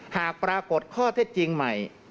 หากปรากฏข้อเท็จจริงใหม่